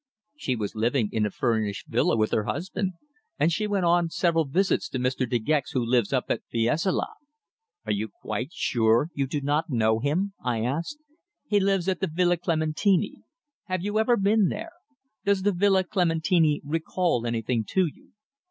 "She was living in a furnished villa with her husband. And she went on several visits to Mr. De Gex who lives up at Fiesole. Are you quite sure you do not know him?" I asked. "He lives at the Villa Clementini. Have you ever been there? Does the Villa Clementini recall anything to you?"